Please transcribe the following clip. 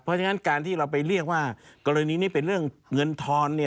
เพราะฉะนั้นการที่เราไปเรียกว่ากรณีนี้เป็นเรื่องเงินทอน